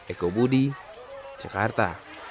eko budi jakarta